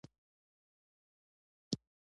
ژبه زموږ د ټولنې ریښه ده.